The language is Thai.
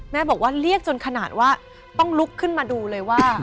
แม่บอกว่าเรียกจนขนาดว่าต้องลุกขึ้นมาดูเลยว่า